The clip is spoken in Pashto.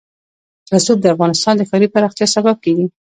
رسوب د افغانستان د ښاري پراختیا سبب کېږي.